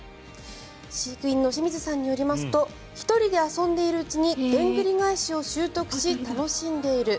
飼育員の清水さんによりますと１人で遊んでいるうちにでんぐり返しを習得し楽しんでいる。